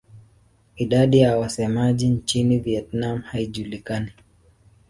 Idadi ya wasemaji nchini Vietnam haijulikani.